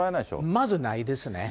まずないですね。